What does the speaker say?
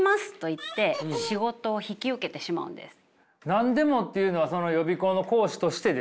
「なんでも」っていうのはその予備校の講師としてですか？